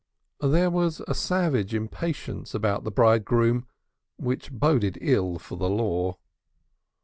There was a savage impatience about the bridegroom which boded ill for the Law.